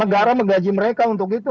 negara menggaji mereka untuk itu